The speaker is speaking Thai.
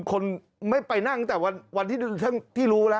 คนไม่ไปนั่งตั้งแต่วันที่รู้แล้ว